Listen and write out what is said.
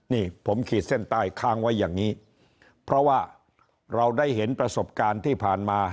นี่ผมขีดเส้นใต้ค้างไว้อย่างนี้เพราะว่าเราได้เห็นประสบการณ์ที่ผ่านมา